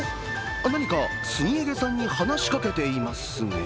何かスニエゲさんに話しかけていますね。